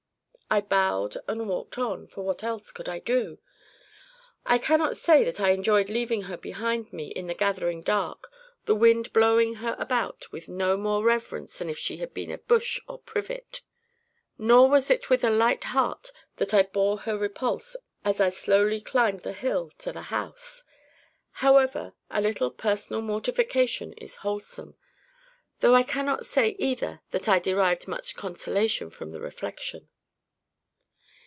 I bowed and walked on; for what else could I do? I cannot say that I enjoyed leaving her behind me in the gathering dark, the wind blowing her about with no more reverence than if she had been a bush of privet. Nor was it with a light heart that I bore her repulse as I slowly climbed the hill to the house. However, a little personal mortification is wholesome—though I cannot say either that I derived much consolation from the reflection.